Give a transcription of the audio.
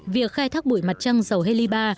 việc khai thác bụi mặt trăng dầu heliba